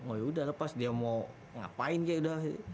oh yaudah lepas dia mau ngapain kaya udah